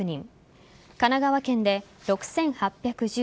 神奈川県で６８１４人